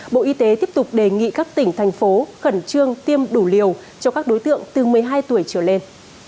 bộ y tế tiếp tục đề nghị các tỉnh thành phố khẩn trương tiêm đủ liều cho các đối tượng từ một mươi hai tuổi trở lên